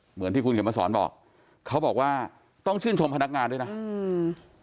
เหมือนที่คุณเข็มมาสอนบอกเขาบอกว่าต้องชื่นชมพนักงานด้วยนะอืม